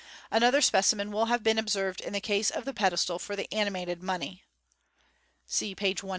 Another specimen will have been observed in the case of the pedestal for the animated money. (See page 186.)